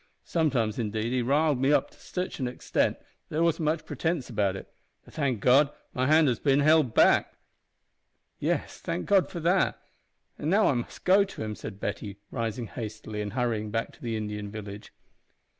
Sometimes, indeed, he riled me up to sitch an extent that there wasn't much pretence about it; but thank God! my hand has been held back." "Yes, thank God for that; and now I must go to him," said Betty, rising hastily and hurrying back to the Indian village.